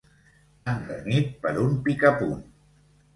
Han renyit per un picapunt.